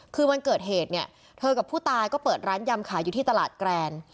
คือวันเกิดเหตุเนี่ยเธอกับผู้ตายก็เปิดร้านยำขายอยู่ที่ตลาดแกรน